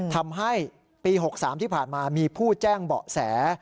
ทำให้ปี๖๓ที่ผ่านมามีผู้แจ้งเบาะแส